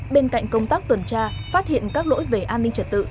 bên cạnh công tác tuần tra phát hiện các lỗi về an ninh trật tự